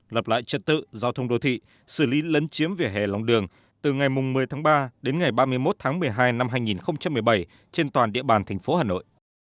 lập lại trật tự giao thông đô thị xử lý lấn chiếm vỉa hè lòng đường từ ngày một mươi tháng ba đến ngày ba mươi một tháng một mươi hai năm hai nghìn một mươi bảy trên toàn địa bàn thành phố hà nội